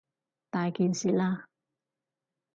大件事喇！